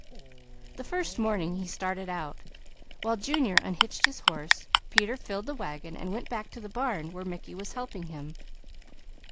The first morning he started out, while Junior unhitched his horse, Peter filled the wagon and went back to the barn where Mickey was helping him.